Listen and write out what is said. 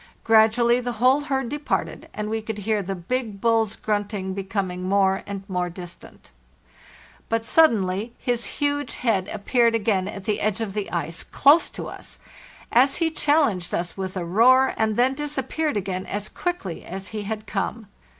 Gradually the whole herd departed, and we could hear the big bull's "T PHOTOGRAPHED HIM AND THE WALRUS" grunting becoming more and more distant; but suddenly his huge head appeared ayain at the edge of the ice, close to us, as he challenged us with a roar, and then disap peared again as quickly as he had come.